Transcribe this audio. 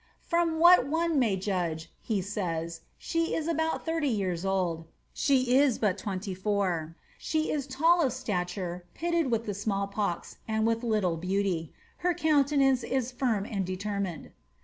^From what one may judge," he says, ^ she is about thirty years old [she was but twenty fourj. She is tidl of stature, pitied with the small pox, and with little beauty. Her countenance is firm and determined."